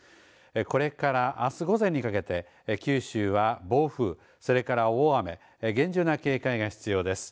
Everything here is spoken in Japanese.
これからあす午前にかけて九州は暴風、それから大雨、厳重な警戒が必要です。